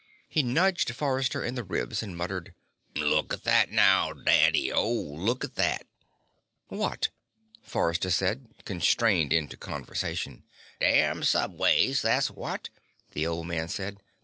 He nudged Forrester in the ribs and muttered: "Look at that now, Daddy O. Look at that." "What?" Forrester said, constrained into conversation. "Damn subways, that's what," the old man said.